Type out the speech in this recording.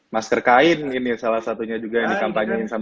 masker kain ini salah satunya juga yang di kampanyein sama kang bima